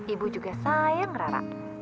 ibu juga sayang rara